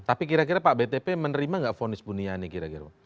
tapi kira kira pak btp menerima nggak fonis buniani kira kira